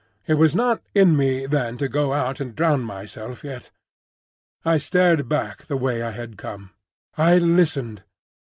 It was not in me then to go out and drown myself yet. I stared back the way I had come. I listened.